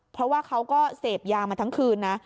เพราะว่าเขาก็เสพยามาทั้งคืนนะ